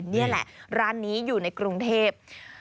นี่แหละร้านนี้อยู่ในกรุงเทพ